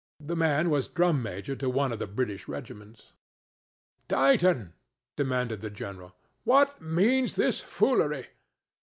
The man was drum major to one of the British regiments. "Dighton," demanded the general, "what means this foolery?